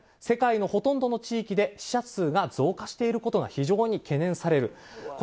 世界のほとんどの地域で死者数が増加していることが非常に懸念される。